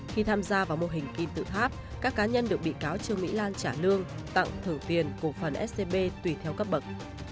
khi tham gia vào mô hình kim tự tháp các cá nhân được bị cáo trương mỹ lan trả lương tặng thử tiền cổ phần scb tùy theo cấp bậc